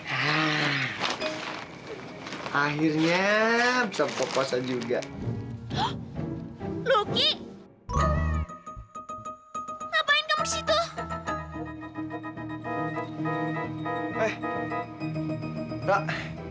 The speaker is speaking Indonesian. eh gue lagi menyendiri karena apa ya di tempat keren main sana tuh banyak godaan